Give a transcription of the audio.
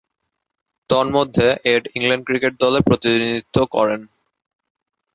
তন্মধ্যে, Ed England cricket দলে প্রতিনিধিত্ব করেন।